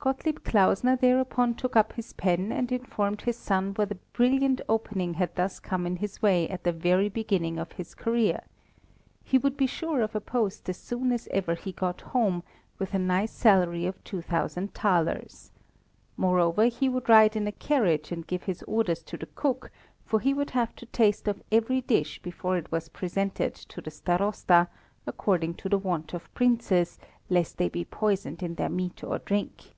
Gottlieb Klausner thereupon took up his pen and informed his son what a brilliant opening had thus come in his way at the very beginning of his career. He would be sure of a post as soon as ever he got home, with a nice salary of 2000 thalers. Moreover, he would ride in a carriage, and give his orders to the cook, for he would have to taste of every dish before it was presented to the Starosta, according to the wont of princes, lest they be poisoned in their meat or drink.